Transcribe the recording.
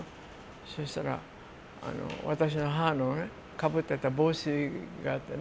そしたら、私の母のかぶってた帽子があってね。